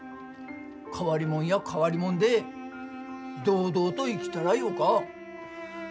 変わりもんや変わりもんで堂々と生きたらよか。